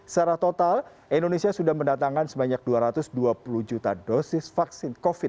secara total indonesia sudah mendatangkan sebanyak dua ratus dua puluh juta dosis vaksin covid sembilan belas